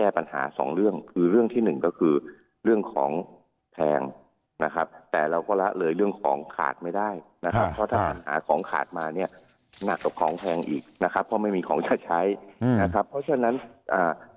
ไม่ได้นะครับเพราะถ้าหาของขาดมาเนี่ยหนักต่อของแพงอีกนะครับเพราะไม่มีของจะใช้นะครับเพราะฉะนั้นอ่า